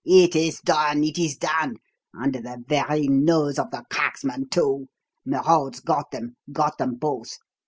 "It is done! It is done! Under the very nose of the cracksman, too! Merode's got them got them both!